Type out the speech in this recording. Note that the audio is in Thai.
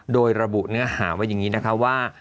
โดยระบุเนื้อหาไว้อย่างนี้นะคะว่า